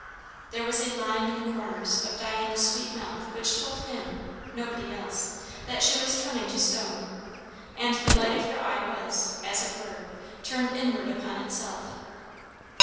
There was a line in the corners of Diana's sweet mouth which told him, nobody else, that she was turning to stone; and the light of her eye was, as it were, turned inward upon itself.